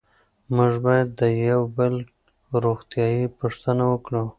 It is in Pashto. موږ باید د یو بل روغتیایي پوښتنه وکړو.